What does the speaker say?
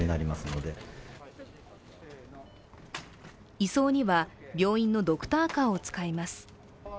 移送には病院のドクターカーを使います。